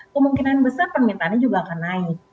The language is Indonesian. kemungkinan besar permintaannya juga akan naik